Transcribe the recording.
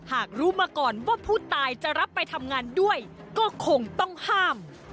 หากรู้มาก่อนว่าผู้ตายจะรับไปทำงานด้วยก็คงต้องห้าม